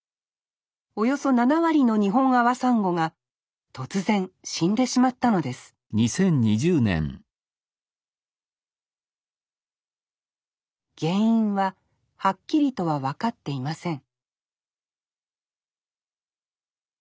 およそ７割のニホンアワサンゴが突然死んでしまったのです原因ははっきりとは分かっていません